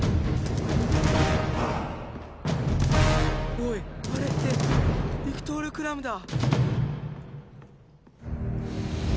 おいあれってビクトール・クラムだ